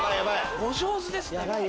お上手ですね。